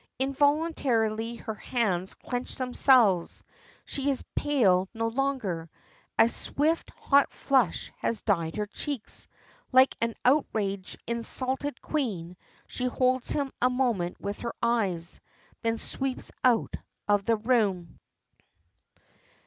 Involuntarily her hands clench themselves. She is pale no longer. A swift, hot flush has dyed her cheeks. Like an outraged, insulted queen, she holds him a moment with her eyes, then sweeps out of the room.